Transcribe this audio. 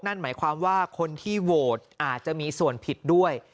นั่นหมายความว่าคนที่โหวตอาจจะมีส่วนผิดด้วย